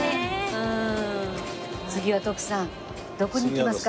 次は徳さんどこに行きますか？